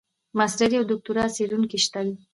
ماسټري او دوکتورا څېړونکي شته دي.